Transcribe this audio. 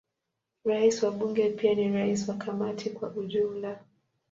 Rais wa Bunge pia ni rais wa Kamati kwa ujumla.